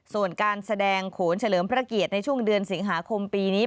ส่วนการแสดงโขนเฉลิมพระเกียรติในช่วงเดือนสิงหาคมปีนี้